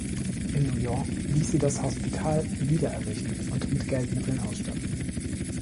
In Noyon ließ sie das Hospital wiedererrichten und mit Geldmitteln ausstatten.